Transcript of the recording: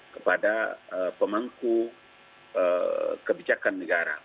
kepada pemangku kebijakan negara